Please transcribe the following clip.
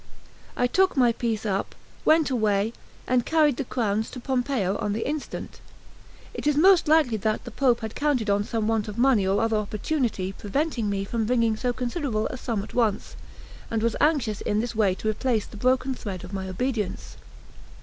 I took my piece up, went away, and carried the crowns to Pompeo on the instant. It is most likely that the Pope had counted on some want of money or other opportunity preventing me from bringing so considerable a sum at once, and was anxious in this way to repiece the broken thread of my obedience.